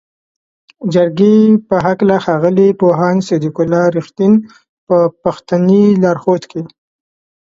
جرګې په هکله ښاغلي پوهاند صدیق الله "رښتین" په پښتني لارښود کې